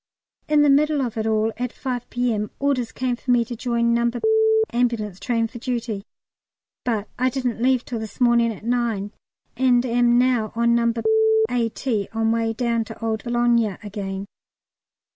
In the middle of it all at 5 P.M. orders came for me to join No. Ambulance Train for duty, but I didn't leave till this morning at nine, and am now on No. A.T. on way down to old Boulogne again.